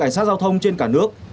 cảnh sát giao thông trên cả nước